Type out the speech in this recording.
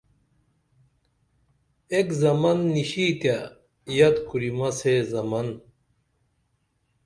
ایک زمن نِشی تیہ یت کُریمہ سے زمن